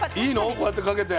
こうやってかけて。